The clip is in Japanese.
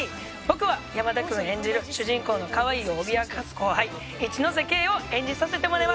「僕は山田君演じる主人公の“可愛い”を脅かす後輩一ノ瀬圭を演じさせてもらいます」